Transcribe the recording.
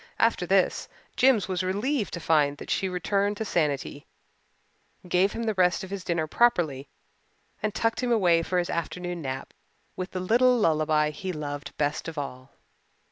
After this Jims was relieved to find that she returned to sanity, gave him the rest of his dinner properly, and tucked him away for his afternoon nap with the little lullaby he loved best of all.